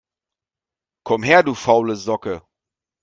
Komm her, du faule Socke!